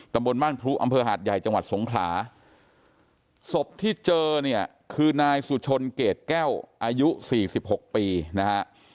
บนบ้านพลุอำเภอหาดใหญ่จังหวัดสงขลาศพที่เจอเนี่ยคือนายสุชนเกรดแก้วอายุ๔๖ปีนะฮะ